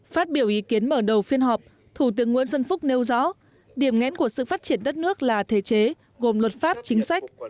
phát biểu ý kiến mở đầu phiên họp thủ tướng nguyễn xuân phúc nêu rõ điểm nghẽn của sự phát triển đất nước là thể chế gồm luật pháp chính sách